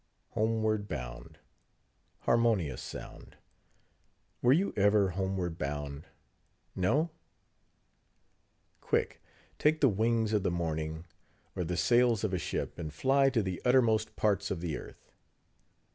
Homeward bound!—harmonious sound! Were you ever homeward bound?—No?—Quick! take the wings of the morning, or the sails of a ship, and fly to the uttermost parts of the earth.